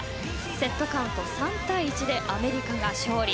セットカウント３対１でアメリカが勝利。